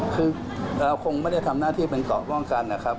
คือเราคงไม่ได้ทำหน้าที่เป็นเกาะป้องกันนะครับ